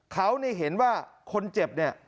เขาเห็นว่าคนเจ็บเนี่ย